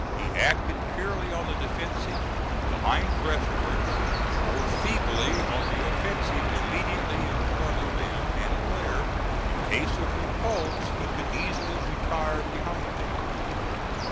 He acted purely on the defensive, behind breastworks, or feebly on the offensive immediately in front of them, and where, in case of repulse, he could easily retire behind them.